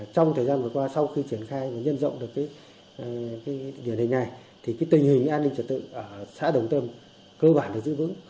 trong thời gian vừa qua sau khi triển khai và nhân rộng được điển hình này thì tình hình an ninh trật tự ở xã đồng tâm cơ bản được giữ vững